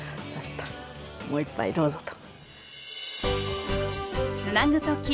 もう一杯どうぞと。